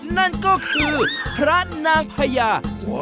นั่นก็คือพระนางพญา